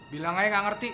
bilang aja gak ngerti